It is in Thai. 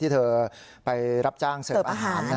เธอไปรับจ้างเสิร์ฟอาหาร